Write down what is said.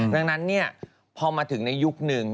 ดังนั้นเนี่ยพอมาถึงในยุคหนึ่ง